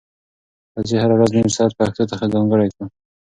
راځئ هره ورځ نیم ساعت پښتو ته ځانګړی کړو.